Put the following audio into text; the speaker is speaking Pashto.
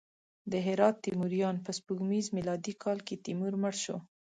د هرات تیموریان: په سپوږمیز میلادي کال کې تیمور مړ شو.